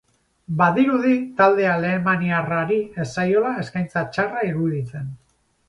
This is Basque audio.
Badirudi talde alemaniarrari ez zaiola eskaintza txarra iruditzen.